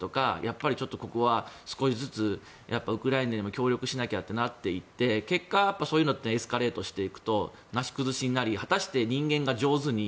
ここは少しずつウクライナにも協力しなきゃってなっていって結果そういうのがエスカレートしていくとなし崩し的になり日本が上手に。